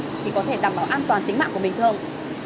thì có thể đảm bảo an toàn tính mạng của bình thường